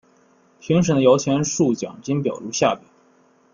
评审的摇钱树奖金表如下表。